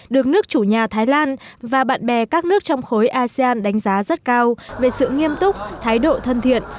được nước chủ nhà thái lan và bạn bè các nước trong khối asean đánh giá rất cao về sự nghiêm túc thái độ thân thiện